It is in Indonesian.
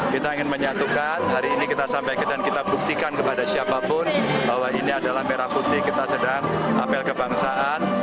kita ingin menyatukan hari ini kita sampaikan dan kita buktikan kepada siapapun bahwa ini adalah merah putih kita sedang apel kebangsaan